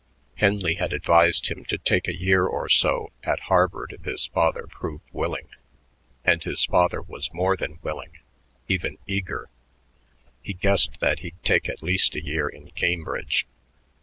Henley had advised him to take a year or so at Harvard if his father proved willing, and his father was more than willing, even eager. He guessed that he'd take at least a year in Cambridge.